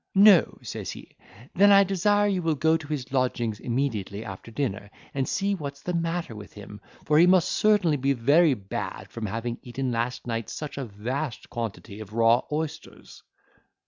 "No," says he, "then I desire you will go to his lodgings immediately after dinner, and see what's the matter with him, for he must certainly be very bad from having eaten last night such a vast quantity of raw oysters."